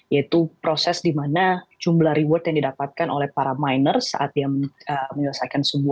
yaitu proses di mana jumlah reward yang didapatkan oleh para miner saat menyelesaikan sebuah algoritma jumlah reward nya akan menjadi setengahnya gitu mas yudi